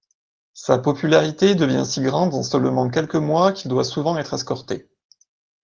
Sa popularité devient si grande en seulement quelques mois qu'il doit souvent être escorté.